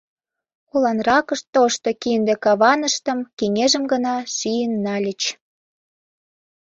Уланракышт тошто кинде каваныштым кеҥежым гына шийын нальыч.